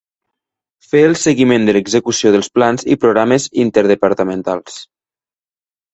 Fer el seguiment de l'execució dels plans i programes interdepartamentals.